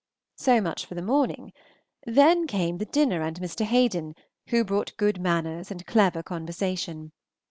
So much for the morning. Then came the dinner and Mr. Haden, who brought good manners and clever conversation.